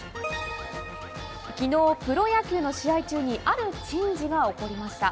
昨日、プロ野球の試合中にある珍事が起こりました。